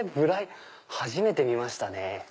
初めて見ましたね。